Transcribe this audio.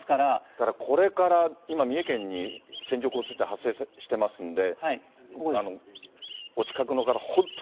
だから、これから今、三重県に線状降水帯発生してますんで。